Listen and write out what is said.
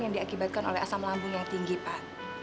yang diakibatkan oleh asam lambung yang tinggi pak